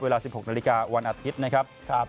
เวลา๑๖นาฬิกาวันอาทิตย์นะครับ